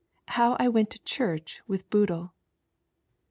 HOW I WENT TO CHCRCH ■WTIH BOODLE.